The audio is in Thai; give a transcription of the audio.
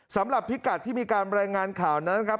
พิกัดที่มีการรายงานข่าวนั้นครับ